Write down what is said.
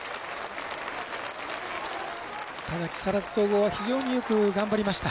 ただ、木更津総合は非常によく頑張りました。